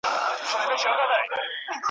او له دغه امله یې ,